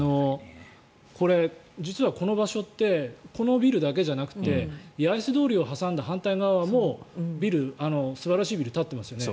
これ、実はこの場所ってこのビルだけじゃなくて八重洲通りを挟んだ反対側も素晴らしいビルが立ってますよね。